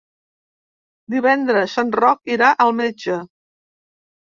Divendres en Roc irà al metge.